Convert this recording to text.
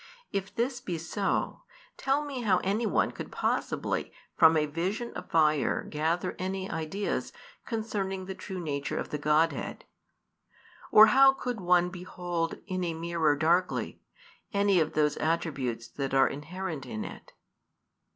If this be so, tell me how any one could possibly from a vision of fire gather any ideas concerning the true nature of the Godhead. Or how could one behold in a mirror darkly any of those attributes that are inherent in it?